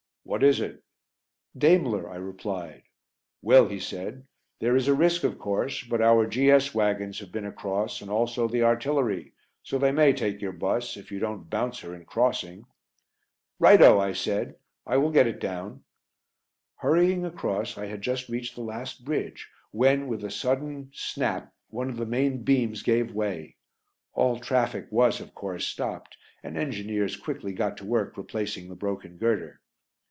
"What is it?" "Daimler," I replied. "Well," he said, "there is a risk, of course, but our G.S. wagons have been across and also the artillery, so they may take your bus if you don't bounce her in crossing." "Right o!" I said. "I will get it down." Hurrying across I had just reached the last bridge when, with a sudden snap, one of the main beams gave way. All traffic was, of course, stopped, and engineers quickly got to work replacing the broken girder.